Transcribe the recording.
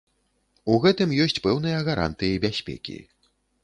У гэтым ёсць пэўныя гарантыі бяспекі.